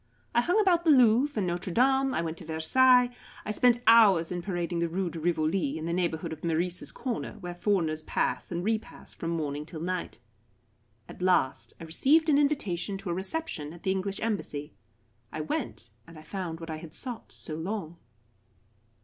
I hung about the Louvre and Notre Dame. I went to Versailles. I spent hours in parading the Rue de Rivoli, in the neighbourhood of Meurice's corner, where foreigners pass and re pass from morning till night. At last I received an invitation to a reception at the English Embassy. I went, and I found what I had sought so long.